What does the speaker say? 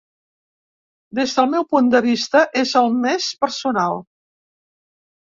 Des del meu punt de vista és el més personal.